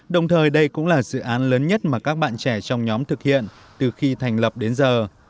đồng thời đây cũng là dự án lớn nhất mà các bạn trẻ trong nhóm thực hiện từ khi thành lập đến giờ